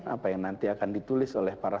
apa yang nanti akan ditulis oleh para